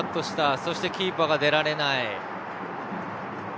そして、キーパーが出られない。